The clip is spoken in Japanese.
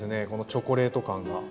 このチョコレート感が。